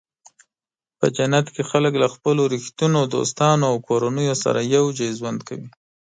په جنت کې خلک له خپلو رښتینو دوستانو او کورنیو سره یوځای ژوند کوي.